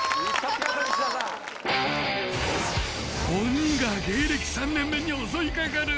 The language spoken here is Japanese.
鬼が芸歴３年目に襲いかかる。